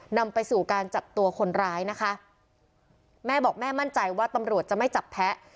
นำไปสู่การจับตัวคนร้ายนะคะแม่บอกแม่มั่นใจว่าตำรวจจะไม่จับแพ้